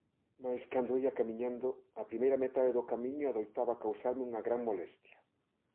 Mais cando ía camiñando, a primeira metade do camiño adoitaba causarme unha gran molestia.